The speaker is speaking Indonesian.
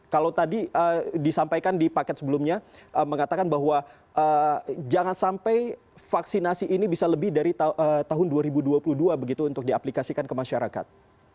kalau tadi disampaikan di paket sebelumnya mengatakan bahwa jangan sampai vaksinasi ini bisa lebih dari tahun dua ribu dua puluh dua begitu untuk diaplikasikan ke masyarakat